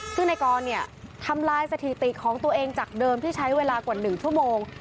ซึ่งในกรทำลายสถิติของตัวเองจากเดิมที่ใช้เวลากว่า๑ชั่วโมง